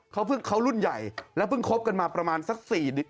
เขารุ่นใหญ่แล้วเพิ่งคบกันมาประมาณสัก๔ปี